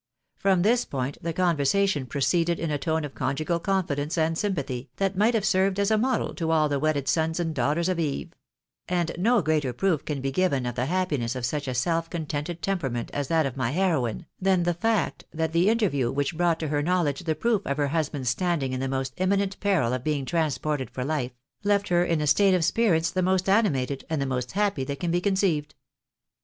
From this point the conversation proceeded in a tone of conjugal confidence and sympathy, that might have served as a model to all 20 THE BAENABTS IN AMERICA. t'ihe wedded sons and daughters of Eve ; and no greater proof can be given of the happiness of such a self contented temperament ns that of my heroine, than the fact, that the interview which brought to her knowledge the proof of her husband's standing in the most imminent peril of being transported for hfe, left her in a state of spirits the most animated and the most happy that can be conceived.